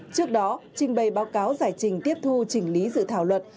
trước đó trình bày báo cáo giải trình tiếp thu chỉnh lý dự thảo luật